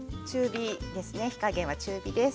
火加減は中火です。